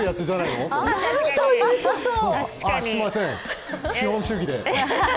すみません、資本主義で。